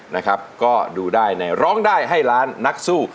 นะครับก็ดูได้ในร้องได้ให้ล้านนักสู้